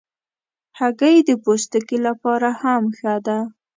هګۍ د پوستکي لپاره هم ښه ده.